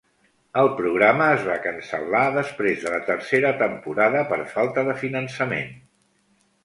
El programa es va cancel·lar després de la tercera temporada per falta de finançament.